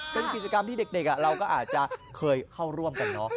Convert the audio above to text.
กระจิดการที่เด็กเราก็อาจจะเข้าร่วมกันเนอะ